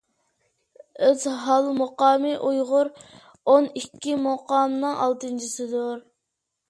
ئۆزھال مۇقامى ئۇيغۇر ئون ئىككى مۇقامىنىڭ ئالتىنچىسىدۇر.